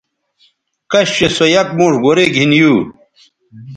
کش چہء سو یک موݜ گورئ گِھن یو